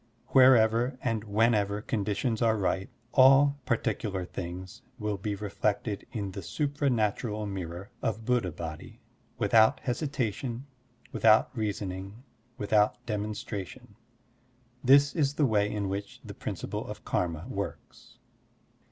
Wherever and whenever conditions are ripe, all particular things will be reflected in the supra natural mirror of Buddha Body, without hesitation, without reasoning, without demonstration. This is the way in which the principle of karma works.